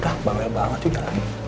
udah bawel banget juga lagi